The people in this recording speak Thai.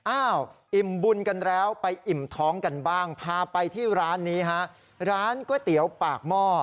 อ้าวอิ่มบุญกันแล้วไปอิ่มท้องกันบ้างพาไปที่ร้านนี้ฮะร้านก๋วยเตี๋ยวปากหม้อ